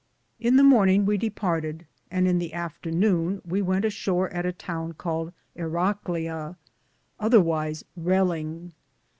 In the morninge we departede, and in the afternowne we wente ashore at a towne caled Heragleza,^ other wyse Rellinge.